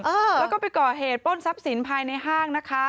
เออแล้วก็ไปก่อเหตุปล้นทรัพย์สินภายในห้างนะคะ